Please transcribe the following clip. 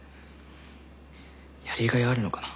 やりがいあるのかな。